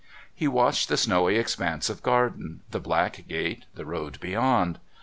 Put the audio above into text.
He watched the snowy expanse of garden, the black gate, the road beyond.